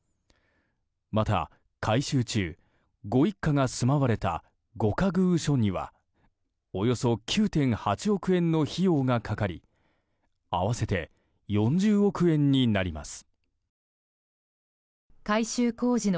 また改修中、ご一家が住まれた御仮寓所にはおよそ９．８億円の費用が掛かり合わせて４０億円になります。